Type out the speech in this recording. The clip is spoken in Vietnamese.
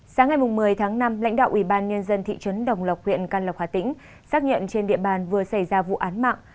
sáng ngày một mươi tháng năm lãnh đạo ủy ban nhân dân thị trấn đồng lộc huyện căn lộc hà tĩnh xác nhận trên địa bàn vừa xảy ra vụ án mạng